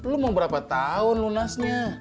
lo mau berapa tahun lo nakal